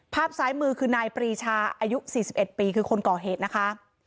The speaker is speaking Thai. ภาพซ้ายมือคือนายปรีชาอายุ๔๑ปีคือคนก่อเหตุนะคะ